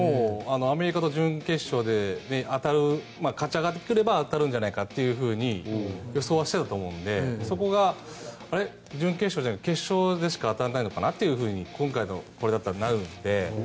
アメリカと準決勝で当たる勝ち上がれば当たるんじゃないかと予想はしていたと思うのでそこがあれ、準決勝じゃなくて決勝でしか当たらないのかなと今回のこれだとなるので。